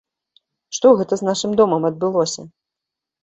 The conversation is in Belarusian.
Што гэта з нашым домам адбылося?